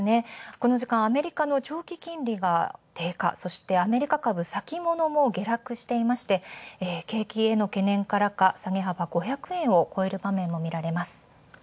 この時間アメリカの長期金利が低下、そしてアメリカ株先物も下落していまして５００円を超える場面もみられます。